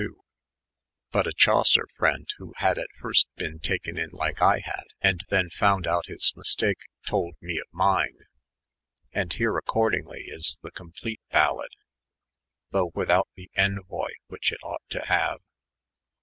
2, but a Chaucer friend, who had at first been taken in Eke I had, and then fonnd out his mistake, told me of nine; and here accordingly is the complete Balade, though without the Envoy which it ought to have.